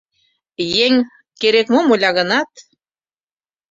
Еҥ керек-мом ойла гынат